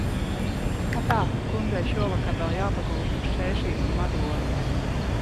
Atā, kundzei šovakar vēl jāpagūst uz Cēsīm un Madonu.